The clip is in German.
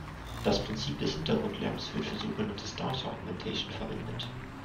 Das Prinzip des Hintergrundlärms wird für sogenanntes "Data Augmentation" verwendet.